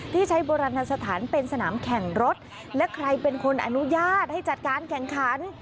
ที่ใช้โบราณสถานเป็นสนามแข่งรถและใครเป็นคนอนุญาตให้จัดการแข่งขัน